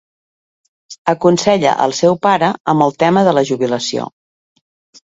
Aconsella al seu pare amb el tema de la jubilació.